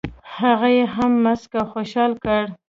هغه یې هم مسک او خوشال کړ.